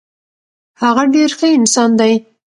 هغه ډیر ښه انسان دی.